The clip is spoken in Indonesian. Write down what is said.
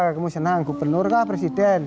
saka senang gubernur lah presiden